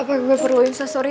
apa saya perlu insesori